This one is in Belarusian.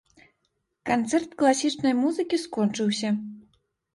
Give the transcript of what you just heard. Канцэрт класічнай музыкі скончыўся.